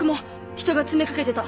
人が詰めかけてた。